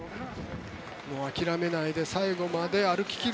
諦めないで最後まで歩き切る。